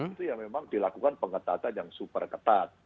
itu yang memang dilakukan pengetatan yang super ketat